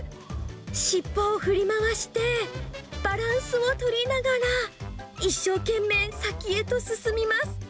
尻尾を振り回して、バランスを取りながら、一生懸命先へと進みます。